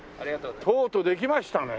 とうとうできましたね。